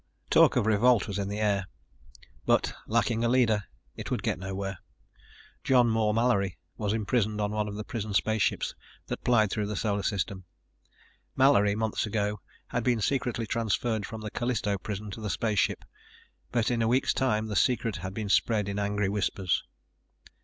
Talk of revolt was in the air, but, lacking a leader, it would get nowhere. John Moore Mallory was imprisoned on one of the prison spaceships that plied through the Solar System. Mallory, months ago, had been secretly transferred from the Callisto prison to the spaceship, but in a week's time the secret had been spread in angry whispers.